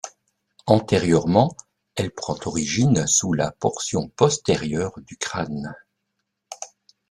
Antérieurement, elle prend origine sous la portion postérieure du crâne.